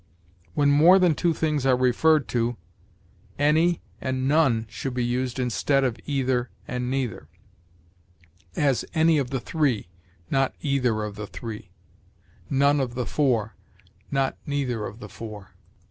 When more than two things are referred to, any and none should be used instead of either and neither; as, "any of the three," not, "either of the three"; "none of the four," not, "neither of the four."